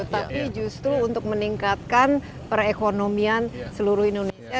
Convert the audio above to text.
tapi justru untuk meningkatkan perekonomian seluruh indonesia